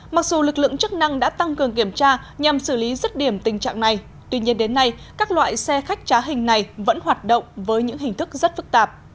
mặc dù lực lượng chức năng đã tăng cường kiểm tra nhằm xử lý rứt điểm tình trạng này tuy nhiên đến nay các loại xe khách trá hình này vẫn hoạt động với những hình thức rất phức tạp